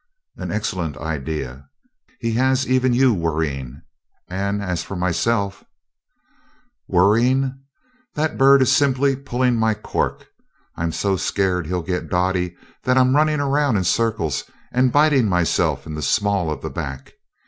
"An excellent idea. He has even you worrying, and as for myself " "Worrying! That bird is simply pulling my cork! I'm so scared he'll get Dottie, that I'm running around in circles and biting myself in the small of the back.